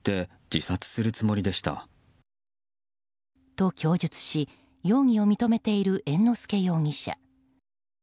と、供述し容疑を認めている猿之助容疑者。